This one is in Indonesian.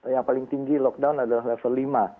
yang paling tinggi lockdown adalah level lima